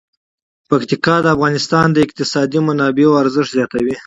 پکتیکا د افغانستان د اقتصادي منابعو ارزښت زیاتوي.